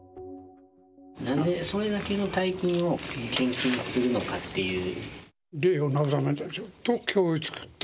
なんでそれだけの大金を献金するのかっていう？